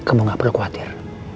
kamu gak perlu khawatir